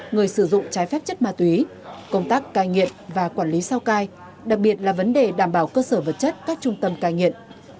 người sử dụng trái phép chất ma túy công tác cai nghiện và quản lý sao cai đặc biệt là vấn đề đảm bảo cơ sở vật chất các trung tâm cai nghiện